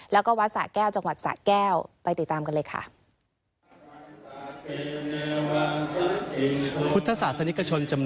แล้วก็วัดสะแก้วจังหวัดสะแก้วไปติดตามกันเลยค่ะ